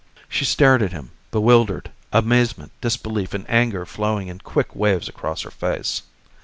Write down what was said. She stared at him, bewildered, amazement, disbelief, and anger flowing in quick waves across her face.